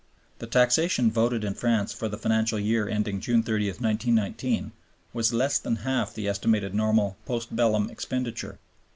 The taxation voted in France for the financial year ending June 30, 1919, was less than half the estimated normal post bellum expenditure.